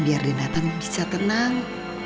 biar dina tante bisa tenang